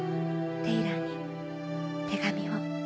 テイラーに手紙を。